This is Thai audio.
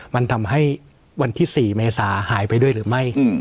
มันทำให้วันที่๔เมษาหายไปด้วยหรือไม่